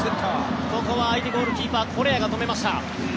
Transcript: ここは相手ゴールキーパーコレアが止めました。